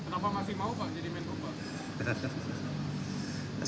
kenapa masih mau pak jadi menko pak